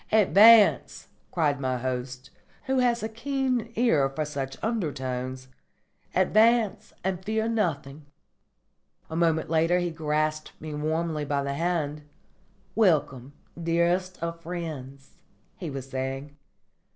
"Advance," cried my host, who had a keen ear for such undertones. "Advance and fear nothing." A moment later he grasped me warmly by the hand, "Welcome, dearest of friends," he was saying.